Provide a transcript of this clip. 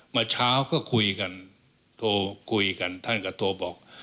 เมื่อเช้าก็คุยกันโทรคุยกันท่านก็โทรบอก